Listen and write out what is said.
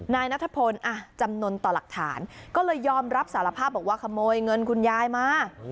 นายนัทพลจำนวนต่อหลักฐานก็เลยยอมรับสารภาพบอกว่าขโมยเงินคุณยายมา